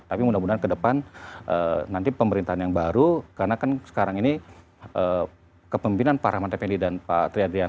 tapi mudah mudahan ke depan nanti pemerintahan yang baru karena kan sekarang ini kepemimpinan pak rahmat repelly dan pak triadian